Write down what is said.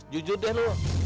jujur deh lu